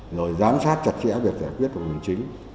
rồi giám sát chặt chẽ việc giải quyết vùng hình chính